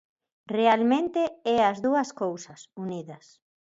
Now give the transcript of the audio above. Realmente é as dúas cousas, unidas.